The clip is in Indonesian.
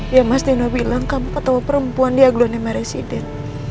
ya mas dino bilang kamu ketawa perempuan di aglo nema residen